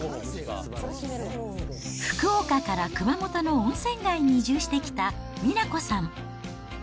福岡から熊本の温泉街に移住してきた美奈子さん。